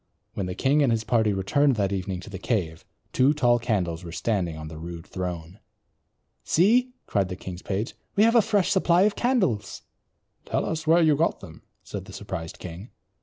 When the king and his party returned that evening to the cave, two tall candles were standing on the rude throne. "See," cried the king's page, "we have a fresh supply of candles." "Tell us where you got them," said the surprised king.